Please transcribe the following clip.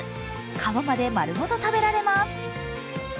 皮まで丸ごと食べられます。